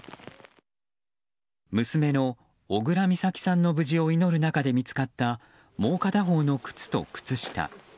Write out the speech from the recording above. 娘の小倉美咲さんの無事を祈る中で見つかったもう片方の靴と靴下。